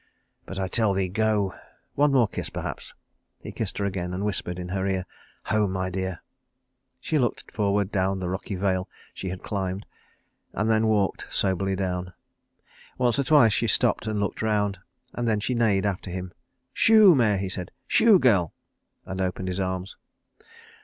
But I tell thee, go. One more kiss perhaps." He kissed her again, and whispered in her ear, "Home, my dear." She looked forward down the rocky vale she had climbed and then walked soberly down. Once or twice she stopped and looked round, and then she neighed after him. "Shoo, mare!" he said. "Shoo, girl!" and opened his arms.